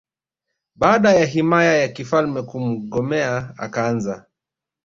baada ya himaya ya kifalme kumgomea akaanza